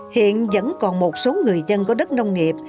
hiện vẫn còn một số người dân có đất nông nghiệp